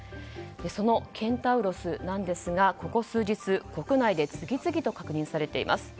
そのケンタウロスですがここ数日国内で次々と確認されています。